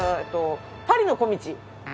パリの小道！